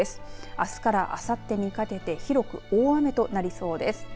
あすからあさってにかけて広く大雨となりそうです。